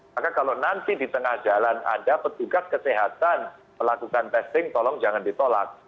maka kalau nanti di tengah jalan ada petugas kesehatan melakukan testing tolong jangan ditolak